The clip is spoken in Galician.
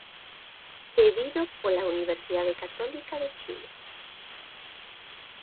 Cedido polo Universidade Católica de Chile.